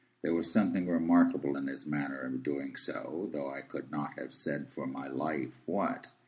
There was something remarkable in his manner of doing so, though I could not have said for my life what.